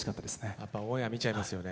やっぱオンエア見ちゃいますよね。